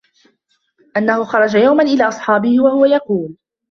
أَنَّهُ خَرَجَ يَوْمًا إلَى أَصْحَابِهِ وَهُوَ يَقُولُ